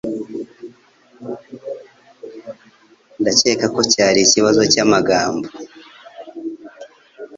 Ndakeka ko cyari ikibazo cyamagambo.